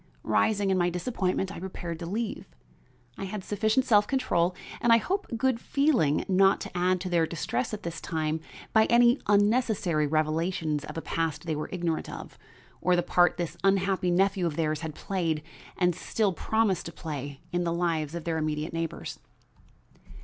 Rising in my disappointment, I prepared to leave. I had sufficient self control and I hope good feeling not to add to their distress at this time by any unnecessary revelations of a past they were ignorant of, or the part this unhappy nephew of theirs had played and still promised to play in the lives of their immediate neighbors.